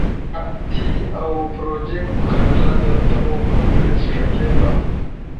زاتی اؤ پروجیکٹ مقابلہ در تمو پروگریس ݜکیتا